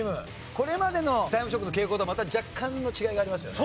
これまでの『タイムショック』の傾向とはまた若干の違いがありますよね。